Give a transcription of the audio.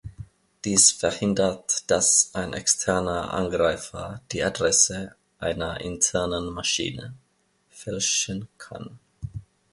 Dies verhindert, dass ein externer Angreifer die Adresse einer internen Maschine fälschen kann.